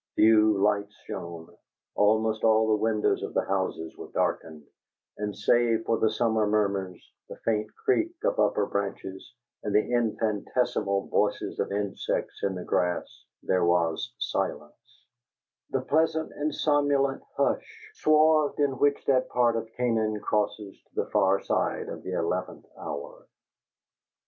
Few lights shone; almost all the windows of the houses were darkened, and, save for the summer murmurs, the faint creak of upper branches, and the infinitesimal voices of insects in the grass, there was silence: the pleasant and somnolent hush, swathed in which that part of Canaan crosses to the far side of the eleventh hour.